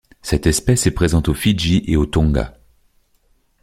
Cette espèce est présente aux Fidji et aux Tonga.